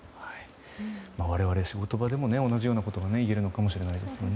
我々、仕事場でも同じようなことがいえるのかもしれないですよね。